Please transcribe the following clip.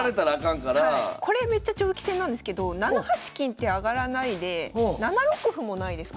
これめっちゃ長期戦なんですけど７八金って上がらないで７六歩もないですか？